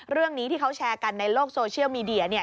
เรื่องนี้ที่เขาแชร์กันในโลกโซเชียลมีเดียเนี่ย